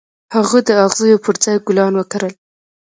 هغه د اغزيو پر ځای ګلان وکرل.